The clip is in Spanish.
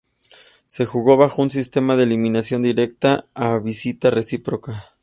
Se jugó bajo un sistema de eliminación directa a visita recíproca.